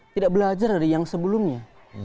tidak belajar dari yang sebelumnya